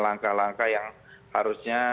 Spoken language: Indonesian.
langkah yang harusnya